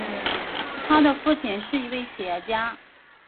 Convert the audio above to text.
他的父亲是一位企业家。